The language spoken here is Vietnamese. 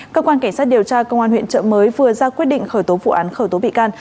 cơ quan cảnh sát điều tra công an huyện trợ mới vừa ra quyết định khởi tố vụ án khởi tố bị can